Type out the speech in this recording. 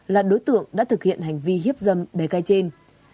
là đối tượng đã thực hiện hành vi hiếp dâm bề cây trên